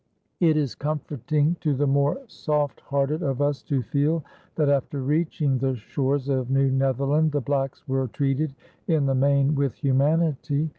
It is comforting to the more soft hearted of us to feel that after reaching the shores of New Netherland, the blacks were treated in the main with humanity.